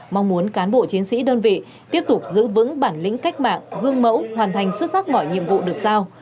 mong muốn cán bộ chiến sĩ đơn vị tiếp tục giữ vững bản lĩnh cách mạng gương mẫu hoàn thành xuất sắc mọi nhiệm vụ được giao